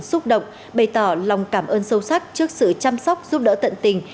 xúc động bày tỏ lòng cảm ơn sâu sắc trước sự chăm sóc giúp đỡ tận tình